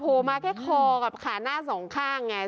มาแค่คอกับขาหน้าสองข้างไง